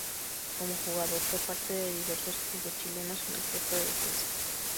Como jugador fue parte de diversos clubes chilenos en el puesto de defensa.